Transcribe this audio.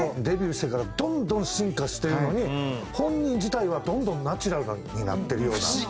デビューしてからどんどん進化しているのに本人自体はどんどんナチュラルになってるような。